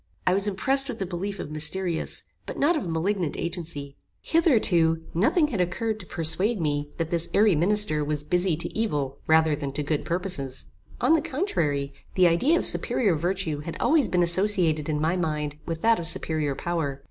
I was impressed with the belief of mysterious, but not of malignant agency. Hitherto nothing had occurred to persuade me that this airy minister was busy to evil rather than to good purposes. On the contrary, the idea of superior virtue had always been associated in my mind with that of superior power.